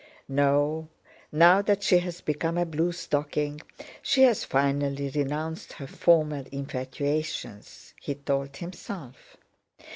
"No, now that she has become a bluestocking she has finally renounced her former infatuations," he told himself.